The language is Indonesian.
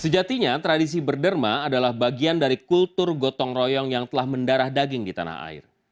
sejatinya tradisi berderma adalah bagian dari kultur gotong royong yang telah mendarah daging di tanah air